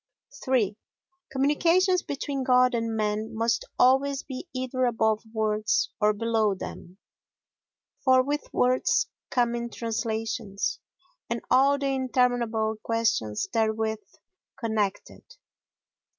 iii Communications between God and man must always be either above words or below them; for with words come in translations, and all the interminable questions therewith connected.